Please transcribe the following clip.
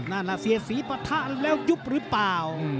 นั่นแหละเสียสีปะทะแล้วยุบหรือเปล่า